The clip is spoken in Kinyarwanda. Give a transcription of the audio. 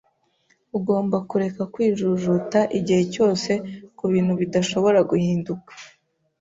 Ugomba kureka kwijujuta igihe cyose kubintu bidashobora guhinduka.